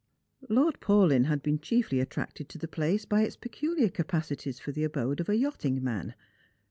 Lord Paulyn had been chiefly attracted to the place by its peculiar capacities for the abode of a yachting man.